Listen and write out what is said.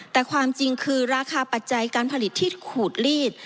แต่ความจริงคือราคาปัจจัยการผลิตที่ขูดลีด